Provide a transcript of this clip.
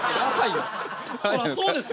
そらそうですよ。